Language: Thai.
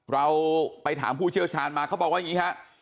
เราไปถามผู้เชี่ยวชาญมาเขาบอกว่าอย่างนี้ฮะ